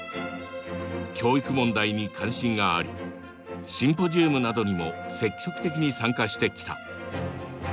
教育問題に関心がありシンポジウムなどにも積極的に参加してきた。